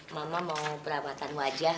mama mau perabatan wajah